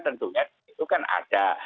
tentunya itu kan ada